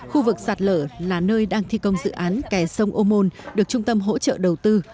khu vực sạt lở là nơi đang thi công dự án kè sông ô môn được trung tâm hỗ trợ đầu tư